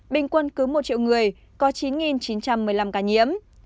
bình quân cứ một triệu người có chín chín trăm một mươi năm ca nhiễm